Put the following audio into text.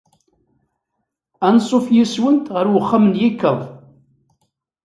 Anṣuf yes-went ɣer uxxam n yikkeḍ.